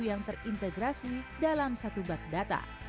yang terintegrasi dalam satu bag data